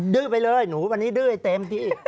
ื้อไปเลยหนูวันนี้ดื้อให้เต็มที่